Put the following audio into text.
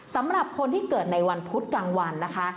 สำหรับคนที่เกิดในวันพุธกลางวันนะคะ